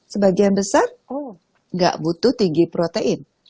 sebagian besar tidak butuh tinggi protein